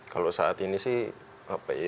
kalau saat ini sih